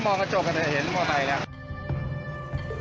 ผมก็มองกระโจกกันเห็นมันก็ไปแล้ว